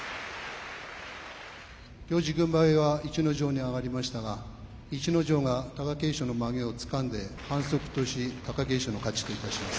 行事軍配は逸ノ城に上がりましたが、逸ノ城が貴景勝のまげをつかんで、反則とし、貴景勝の勝ちといたします。